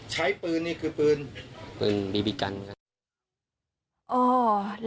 ใช้ปืนนี่คือปืนปืนไฟบีกัล